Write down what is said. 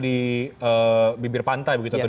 di bibir pantai begitu atau